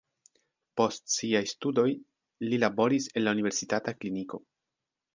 Post siaj studoj li laboris en la universitata kliniko.